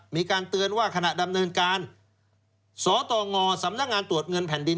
มีการเตือนว่าขณะดำเนินการสตงสำนักงานตรวจเงินแผ่นดิน